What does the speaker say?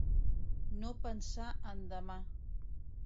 No pensar en demà.